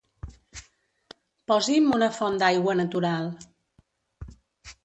Posi'm una font d'aigua natural.